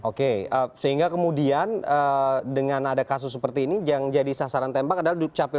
oke sehingga kemudian dengan ada kasus seperti ini yang jadi sasaran tembak adalah dukcapil